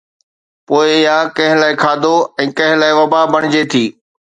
پوءِ اها ڪنهن لاءِ کاڌو ۽ ڪنهن لاءِ وبا بڻجي ٿي.